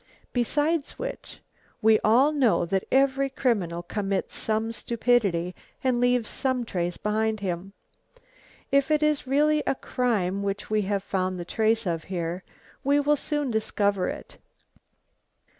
Besides which, we all know that every criminal commits some stupidity, and leaves some trace behind him. If it is really a crime which we have found the trace of here, we will soon discover it."